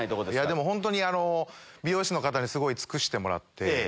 でも本当に美容師の方にすごい尽くしてもらって。